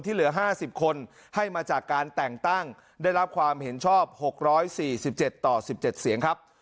เหลือ๕๐คนให้มาจากการแต่งตั้งได้รับความเห็นชอบ๖๔๗ต่อ๑๗เสียงครับ